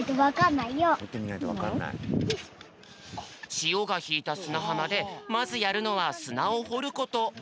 しおがひいたすなはまでまずやるのはすなをほること。